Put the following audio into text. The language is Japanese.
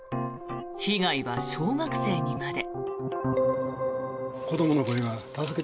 被害は小学生にまで。